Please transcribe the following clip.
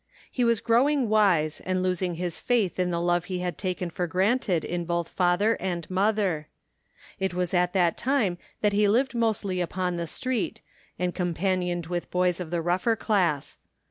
He was growing wise and losing his faith in the love he had taken for granted in both father and mother. It was at that time that he lived mostly upon the street, and companioned with boys of the rougher class.